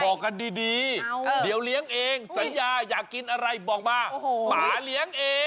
บอกกันดีเดี๋ยวเลี้ยงเองสัญญาอยากกินอะไรบอกมาหมาเลี้ยงเอง